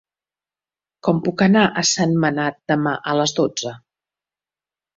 Com puc anar a Sentmenat demà a les dotze?